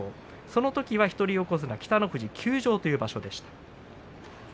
そのときは一人横綱北の富士休場という場所でした。